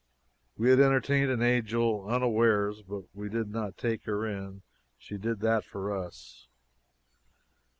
We had entertained an angel unawares, but we did not take her in. She did that for us.